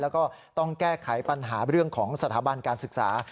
แล้วก็ต้องแก้ไขปัญหาเรื่องของสถาบันการศึกษา